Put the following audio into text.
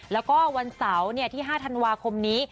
แล้วก็วันเสาร์ที่๕ธันวาคมนี้